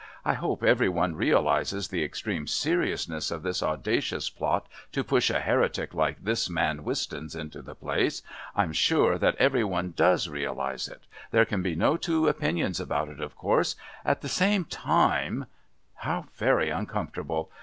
I hope every one realises the extreme seriousness of this audacious plot to push a heretic like this man Wistons into the place. I'm sure that every one does realise it. There can be no two opinions about it, of course. At the same time " How very uncomfortable!